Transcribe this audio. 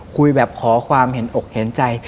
คุยแบบขอความเห็นอกเห็นใจ